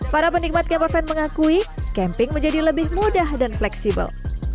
para penikmat kemper van mengakui camping menjadi lebih mudah dan fleksibel